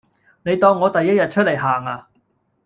你當我第一日出來行呀